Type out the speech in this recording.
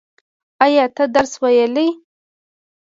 ایا ته درس ویلی؟